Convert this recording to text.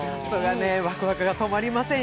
ワクワクが止まりません。